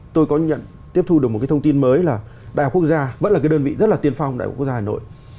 tôi có nhận tiếp thu được một cái thông tin mới là đại học quốc gia vẫn là cái đơn vị rất là tiên phong đại học quốc gia hà nội